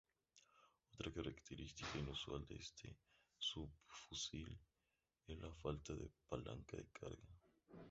Otra característica inusual de este subfusil es la falta de una palanca de carga.